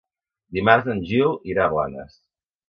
Dimarts en Gil irà a Blanes.